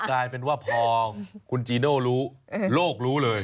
กลายเป็นว่าพอคุณจีโน่รู้โลกรู้เลย